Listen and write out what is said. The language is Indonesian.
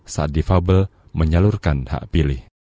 saat defabel menyalurkan hak pilih